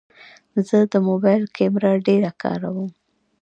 زه د موبایل کیمره ډېره کاروم.